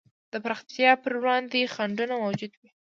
د پراختیا پر وړاندې خنډونه موجود وو.